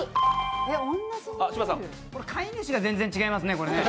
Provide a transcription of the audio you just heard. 飼い主が全然違いますね、これね。